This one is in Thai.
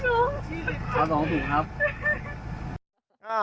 เอาสองสูงครับ